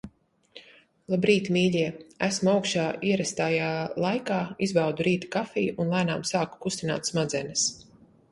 Labrīt, mīļie! Esmu augšā ierastajā laikā, izbaudu rīta kafiju un lēnām sāku kustināt smadzenes.